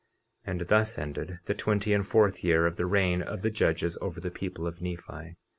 And thus ended the twenty and fourth year of the reign of the judges over the people of Nephi.